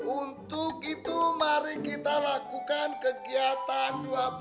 untuk itu mari kita lakukan kegiatan dua puluh